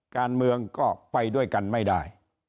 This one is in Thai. การเมืองก็ไปด้วยกันไม่ได้